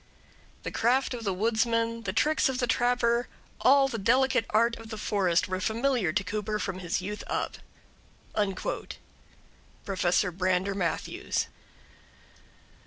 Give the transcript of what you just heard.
The craft of the woodsman, the tricks of the trapper, all the delicate art of the forest, were familiar to Cooper from his youth up. Prof. Brander Matthews.